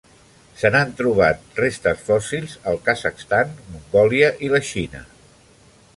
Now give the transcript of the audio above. Se n'han trobat restes fòssils al Kazakhstan, Mongòlia i la Xina.